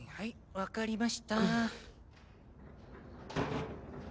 わかりました。